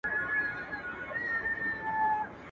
تر شا خلک دلته وېره د زمري سوه.